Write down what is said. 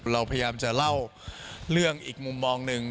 เราพยายามจะเล่าเรื่องอีกมุมมองหนึ่ง